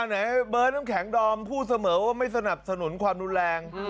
ไหนเบิร์ดน้ำแข็งดอมพูดเสมอว่าไม่สนับสนุนความรุนแรง